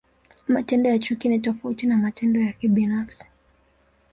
Matendo ya chuki ni tofauti na matendo ya kibinafsi.